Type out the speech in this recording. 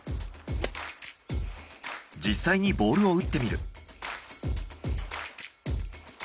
実際にボールを打ってみる。